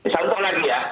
contoh lagi ya